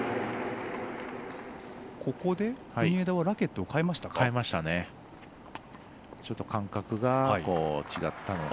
ここで、国枝ラケットを換えましたか。